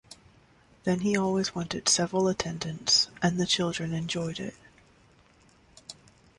Then he always wanted several attendants, and the children enjoyed it.